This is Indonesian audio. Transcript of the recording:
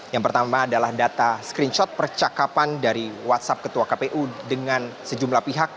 yang pertama adalah data screenshot percakapan dari whatsapp ketua kpu dengan sejumlah pihak